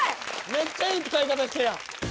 めっちゃいい使い方したやん。